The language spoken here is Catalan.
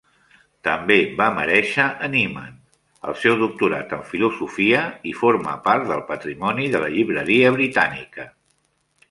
També va merèixer a Niemann el seu Doctorat en Filosofia i forma part del patrimoni de la Llibreria Britànica.